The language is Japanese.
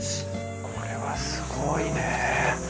これはすごいね。